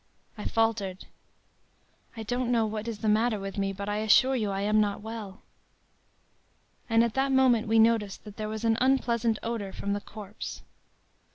I faltered: “'I don't know what is the matter with me, but, I assure you I am not well.' “And at that moment we noticed that there was an unpleasant odor from the corpse.